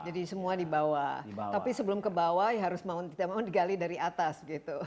jadi semua di bawah tapi sebelum ke bawah ya harus mau digali dari atas gitu